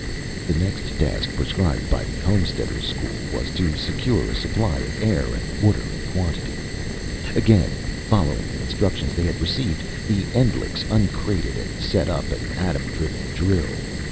The next task prescribed by the Homesteaders' School was to secure a supply of air and water in quantity. Again, following the instructions they had received, the Endlichs uncrated and set up an atom driven drill.